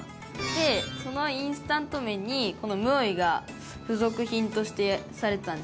そのインスタント麺にこのムオイが付属品としてされてたんですね。